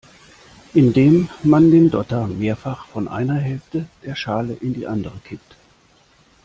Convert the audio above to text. Indem man den Dotter mehrfach von einer Hälfte der Schale in die andere kippt.